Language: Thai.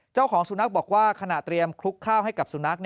เจ้าของสุนัขบอกว่าขณะเตรียมคลุกข้าวให้กับสุนัข